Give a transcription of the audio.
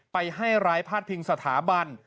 ไปให้ร้ายพาดพิงสถาบัน